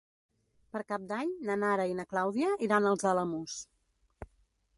Per Cap d'Any na Nara i na Clàudia iran als Alamús.